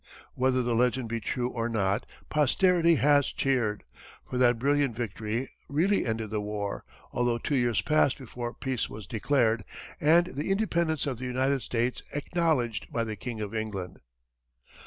Whether the legend be true or not, posterity has cheered, for that brilliant victory really ended the war, although two years passed before peace was declared and the independence of the United States acknowledged by the King of England.